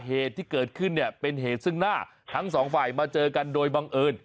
เหตุที่เกิดขึ้นเนี่ยเป็นเหตุซึ่งหน้าทั้งสองฝ่ายมาเจอกันโดยบังเอิญ